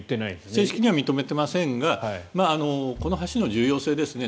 正式には認めていませんがこの橋の重要性ですね。